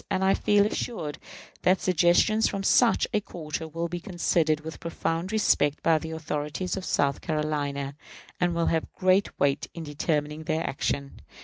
And I feel assured that suggestions from such a quarter will be considered with profound respect by the authorities of South Carolina, and will have great weight in determining their action.